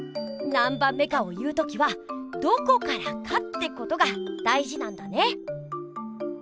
なんばんめかを言う時はどこからかってことが大じなんだね！